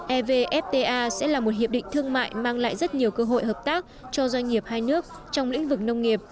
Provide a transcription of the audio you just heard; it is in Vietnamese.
evfta sẽ là một hiệp định thương mại mang lại rất nhiều cơ hội hợp tác cho doanh nghiệp hai nước trong lĩnh vực nông nghiệp